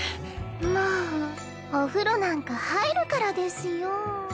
もうお風呂なんか入るからですよ。